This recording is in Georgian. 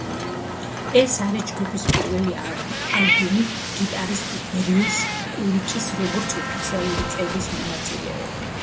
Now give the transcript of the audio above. ეს არის ჯგუფის პირველი ალბომი გიტარისტ ბრიუს კულიკის, როგორც ოფიციალური წევრის მონაწილეობით.